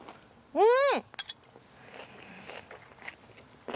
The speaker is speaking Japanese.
うん！